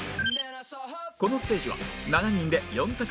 このステージは７人で４択